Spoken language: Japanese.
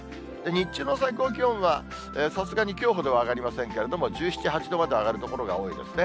日中の最高気温は、さすがにきょうほどは上がりませんけれども、１７、８度まで上がる所が多いですね。